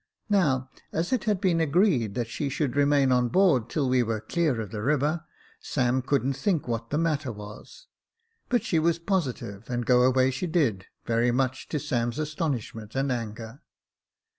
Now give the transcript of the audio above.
Now, as it had been agreed that she should remain on board till we were clear of the river, Sam couldn't think what the matter was ; but she was positive, and go away she did, very much to Sam's astonishment and anger.